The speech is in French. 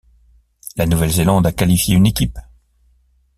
La Nouvelle-Zélande a qualifié une équipe.